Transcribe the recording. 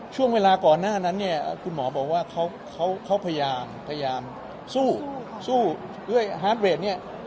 ช่วงเวลาก่อนหน้านั้นเนี่ยคุณหมอบอกว่าเขาพยายามสู้สู้ด้วยฮาร์ดเวทเนี่ย